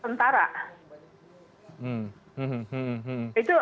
itu akan sangat bertentangan dengan kepenangan negara dan negara lain juga